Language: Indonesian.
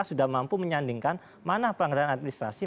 sudah mampu menyandingkan mana pelanggaran administrasi